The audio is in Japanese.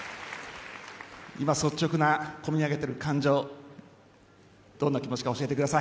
今、率直な込み上げている感情どんな気持ちか教